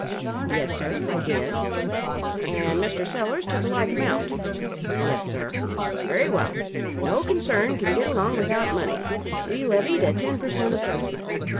"Yes, sir, I did." "And Mr. Sellers took a like amount?" "Yes, sir." "Very well. No concern can get along without money. We levied a ten per cent. assessment.